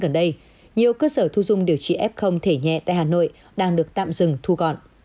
gần đây nhiều cơ sở thu dung điều trị f thể nhẹ tại hà nội đang được tạm dừng thu gọn